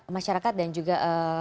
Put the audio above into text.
masyarakat dan juga